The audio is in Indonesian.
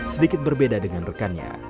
sedikit berbeda dengan rekannya